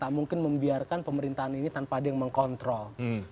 tidak mungkin membiarkan pemerintahan ini tanpa ada yang mengkontrol